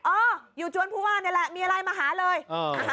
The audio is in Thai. เอออยู่จวนผู้ว่านี่แหละมีอะไรมาหาเลย